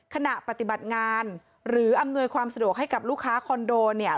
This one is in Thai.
ขณะปฏิบัติงานหรืออำนวยความสะดวกให้กับลูกค้าคอนโดเนี่ย